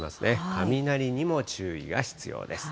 雷にも注意が必要です。